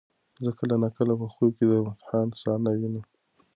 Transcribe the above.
زه کله ناکله په خوب کې د امتحان صحنه وینم.